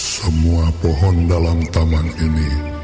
semua pohon dalam taman ini